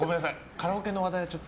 カラオケの話題はちょっと？